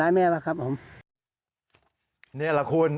นี่แหละคุณ